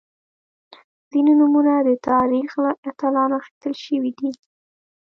• ځینې نومونه د تاریخ له اتلانو اخیستل شوي دي.